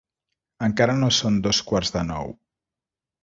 Encara no són dos quarts de nou.